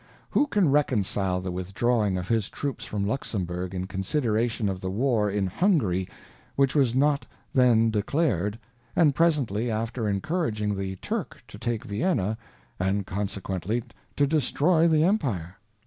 Who can reconcile the withdrawing of his Troops from Luxenburg, in consideration of the War in/Zaw^f art/, which wasnotthen declared, and presently after encouraging the Turk to take Vienna, and consequently to destroy the Empire